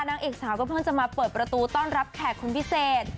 นางเอกสาวก็เพิ่งจะมาเปิดประตูต้อนรับแขกคุณพิเศษ